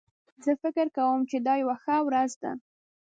زه فکر کوم چې دا یو ښه ورځ ده